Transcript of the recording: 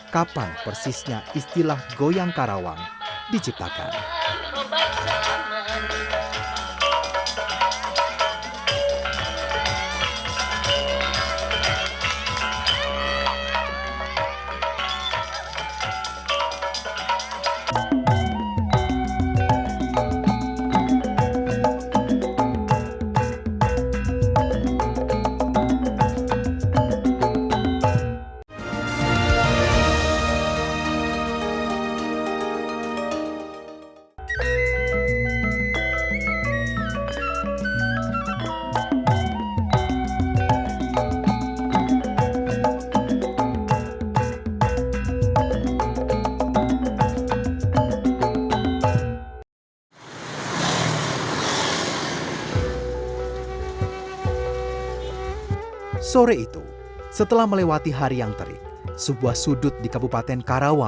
kapan persisnya istilah goyang karawang diciptakan